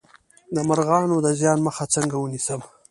د مرغانو د زیان مخه څنګه ونیسم؟